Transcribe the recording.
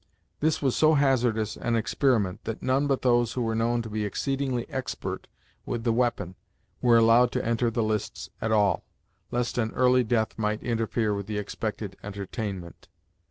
This was so hazardous an experiment that none but those who were known to be exceedingly expert with the weapon were allowed to enter the lists at all, lest an early death might interfere with the expected entertainment.